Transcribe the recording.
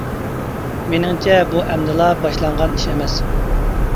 مېنىڭچە بۇ ئەمدىلا باشلانغان ئىش ئەمەس.